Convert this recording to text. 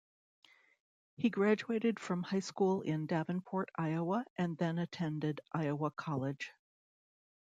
He graduated from high school in Davenport, Iowa and then attended Iowa College.